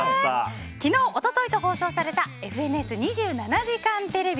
昨日、一昨日と放送された「ＦＮＳ２７時間テレビ」。